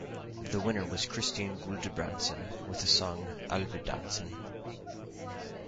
The winner was Christine Guldbrandsen with the song "Alvedansen".